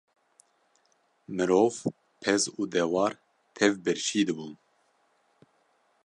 Mirov, pez û dewar tev birçî dibûn.